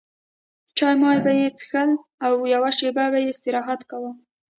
چای مای به یې څښل او یوه شېبه به یې استراحت کاوه.